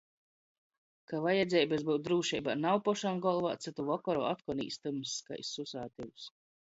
Ka vajadzeibys byut drūšeibā nav pošam golvā, cytu vokoru otkon īs tymss kai susātivs.